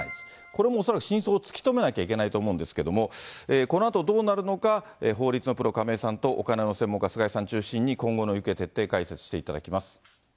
これもおそらく、真相を突き止めなきゃいけないと思うんですけれども、このあとどうなるのか、法律のプロ、亀井さんとお金の専門家、菅井さんを中心に、今後の行方を徹底解説していただきます。